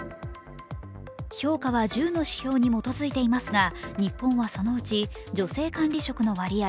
評価は１０の指標に基づいていますが日本はそのうち女性管理職の割合